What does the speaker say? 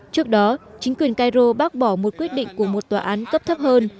trước đó chính quyền cairo bác bỏ một quyết định của một tòa án cấp thấp hơn